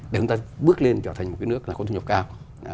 để chúng ta bước lên trở thành một cái nước có thu nhập cao